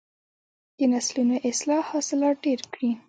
د نسلونو اصلاح حاصلات ډیر کړي.